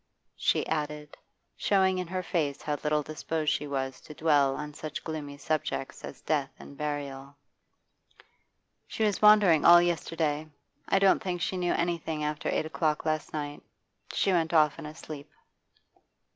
she added, showing in her face how little disposed she was to dwell on such gloomy subjects as death and burial. 'She was wandering all yesterday. I don't think she knew anything after eight o'clock last night. She went off in a sleep.